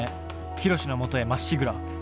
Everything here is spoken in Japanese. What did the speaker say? ヒロシのもとへまっしぐら。